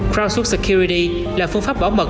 crowdsource security là phương pháp bảo mật